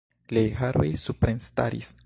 Liaj haroj suprenstaris.